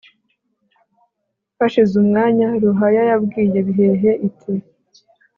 hashize umwanya, ruhaya yabwiye bihehe iti